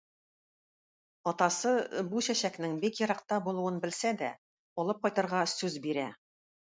Атасы бу чәчәкнең бик еракта булуын белсә дә, алып кайтырга сүз бирә.